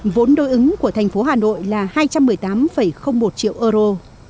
vốn đối ứng của thành phố hà nội là hai triệu euro